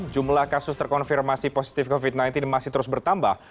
jumlah kasus terkonfirmasi positif covid sembilan belas masih terus bertambah